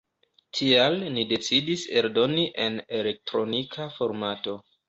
Tial ni decidis eldoni en elektronika formato.